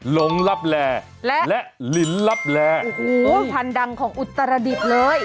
ลงลับแหละลิ้นลับแหลอู้ผ่านดังของอุตรดิษฐ์เลย